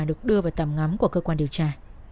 được đưa vào tầm ngắm của cơ quan điều tra